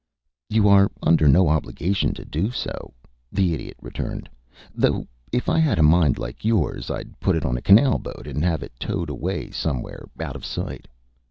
"You are under no obligation to do so," the Idiot returned. "Though if I had a mind like yours I'd put it on a canal boat and have it towed away somewhere out of sight.